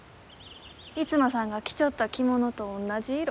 逸馬さんが着ちょった着物と同じ色。